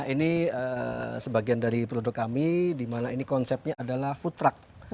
ini akan menjadi di mall pembelian